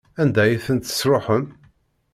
Anda ay tent-tesṛuḥem?